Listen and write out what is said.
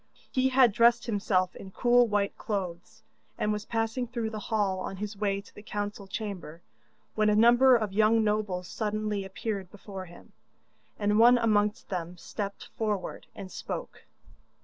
He had dressed himself in cool white clothes, and was passing through the hall on his way to the council chamber, when a number of young nobles suddenly appeared before him, and one amongst them stepped forward and spoke.